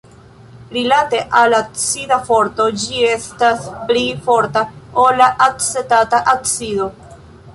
Rilate al acida forto ĝi estas pli forta ol la acetata acido.